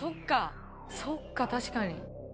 そうか確かに。